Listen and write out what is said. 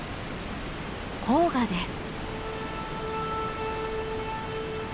黄河です。